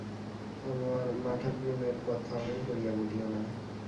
আমার মাঠাকরুণের কথা অমন করিয়া বলিও না।